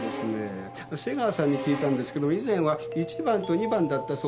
瀬川さんに聞いたんですけど以前は１番と２番だったそうですね。